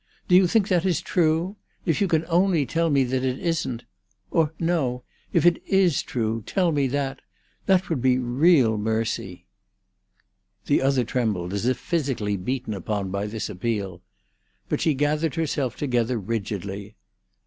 Do you think that is true? If you can only tell me that it isn't—Or, no! If it is true, tell me that! That would be real mercy." The other trembled, as if physically beaten upon by this appeal. But she gathered herself together rigidly.